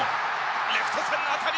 レフト線の当たり！